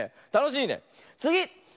つぎ！